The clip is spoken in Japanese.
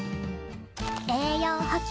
栄養補給。